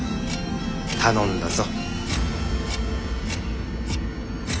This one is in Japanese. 頼んだぞ。